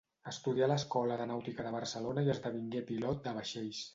Estudià a l’Escola de Nàutica de Barcelona i esdevingué pilot de vaixells.